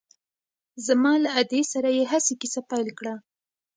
زما له ادې سره يې هسې کيسه پيل کړه.